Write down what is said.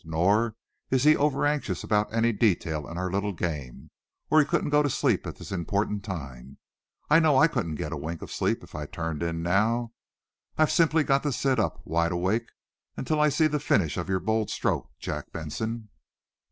"Nor is he over anxious about any detail in our little game, or he couldn't go to sleep at this important time. I know I couldn't get a wink of sleep if I turned in now. I've simply got to sit up, wide awake, until I see the finish of your bold stroke, Jack Benson."